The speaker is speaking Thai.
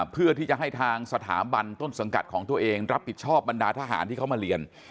เพื่อที่จะให้ทางสถาบันต้นสังกัดของตัวเองรับผิดชอบบรรดาทหารที่เขามาเรียน